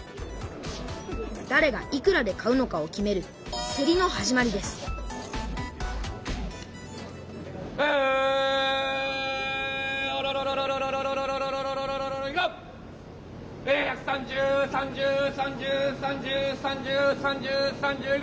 だれがいくらで買うのかを決めるせりの始まりですはい１３０円。